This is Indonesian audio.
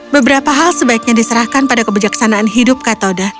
beberapa hal sebaiknya diserahkan pada kebijaksanaan hidup katoda